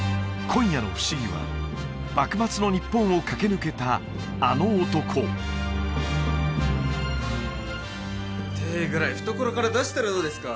今夜のふしぎは幕末の日本を駆け抜けたあの男手ぐらい懐から出したらどうですか？